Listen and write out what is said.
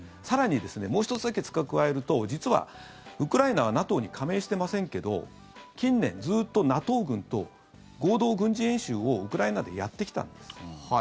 更に、もう１つだけ付け加えると実は、ウクライナはＮＡＴＯに加盟してませんけど近年、ずっとＮＡＴＯ軍と合同軍事演習をウクライナでやってきたんです。